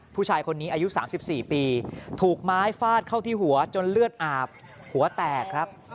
ผู้ชายคนนี้อายุ๓๔ปีถูกไม้ฟาดเข้าที่หัวจนเลือดอาบหัวแตกครับ